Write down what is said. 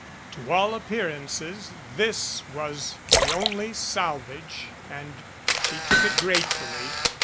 To all appear ances this was the only salvage and she took it gratefully.